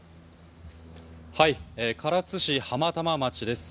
唐津市浜玉町です。